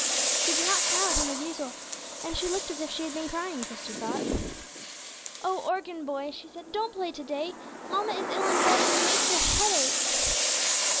She did not smile at him as usual, and she looked as if she had been crying, Christie thought. "Oh, organ boy," she said, "don't play to day. Mamma is ill in bed, and it makes her head ache."